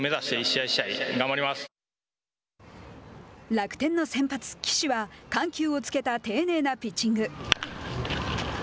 楽天の先発、岸は緩急をつけた丁寧なピッチング。